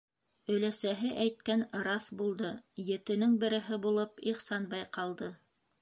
Өләсәһе әйткән раҫ булды: етенең береһе булып Ихсанбай ҡалды.